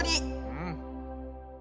うん。